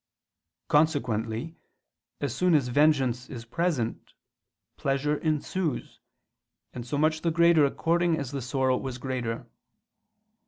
Consequently as soon as vengeance is present, pleasure ensues, and so much the greater according as the sorrow was greater.